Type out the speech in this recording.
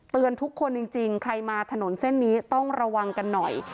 ทุกคนจริงใครมาถนนเส้นนี้ต้องระวังกันหน่อย